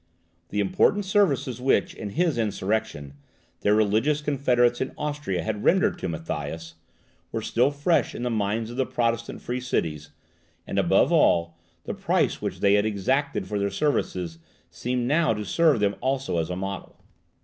The important services which, in his insurrection, their religious confederates in Austria had rendered to Matthias, were still fresh in the minds of the Protestant free cities, and, above all, the price which they had exacted for their services seemed now to serve them also as a model.